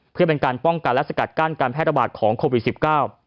เพื่อเป็นการป้องกันและสกัดกั้นการแพร่ระบาดของโควิดสิบเก้า